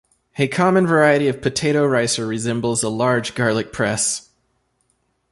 A common variety of potato ricer resembles a large garlic press.